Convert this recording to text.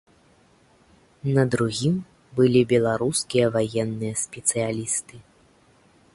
На другім былі беларускія ваенныя спецыялісты.